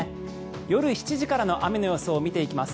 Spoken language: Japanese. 夜７時からの雨の予想を見ていきます。